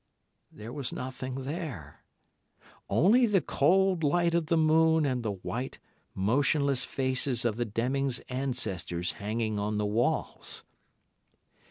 There was nothing there, only the cold light of the moon, and the white, motionless faces of the Dennings' ancestors hanging on the walls.